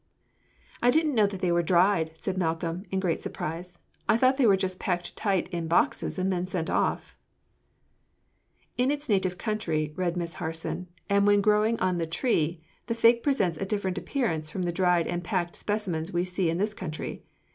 "I didn't know that they were dried," said Malcolm, in great surprise; "I thought they were just packed tight in boxes and then sent off." [Illustration: LEAF AND FRUIT OF THE FIG TREE.] "'In its native country,'" read Miss Harson, "'and when growing on the tree, the fig presents a different appearance from the dried and packed specimens we see in this country.